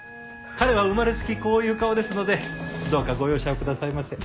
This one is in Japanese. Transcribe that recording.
彼は生まれつきこういう顔ですのでどうかご容赦をくださいませ。